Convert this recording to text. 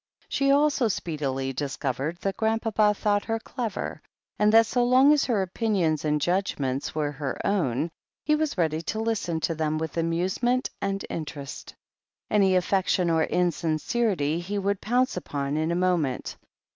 She also speedily discovered that Grandpapa thought her clever and that so long as her opinions and judg ments were her own, he was ready to listen to them with amusement and interest. Any affectation or insincerity he would pounce upon in a moment.